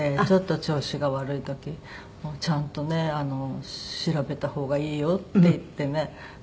ちょっと調子が悪い時「ちゃんとね調べた方がいいよ」って言ってね